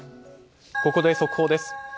ここで速報です。